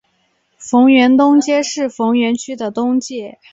逢源东街是逢源区的东界。